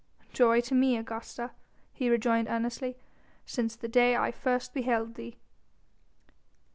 "Joy to me, Augusta," he rejoined earnestly, "since the day I first beheld thee."